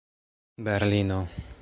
berlino